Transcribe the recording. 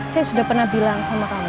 saya sudah pernah bilang